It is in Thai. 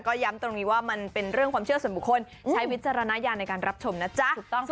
ก็ย้ำตรงนี้ว่ามันเป็นเรื่องความเชื่อส่วนบุคคลใช้วิจารณญาณในการรับชมนะจ๊ะ